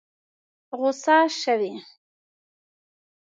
غوسه شوې؟